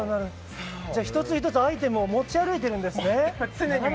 じゃあ、１つ１つアイテムを持ち歩いているんですね。